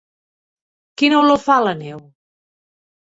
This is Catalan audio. Quina olor fa la neu?